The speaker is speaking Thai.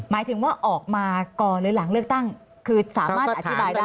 หมายถึงว่าออกมาก่อนหรือหลังเลือกตั้งคือสามารถอธิบายได้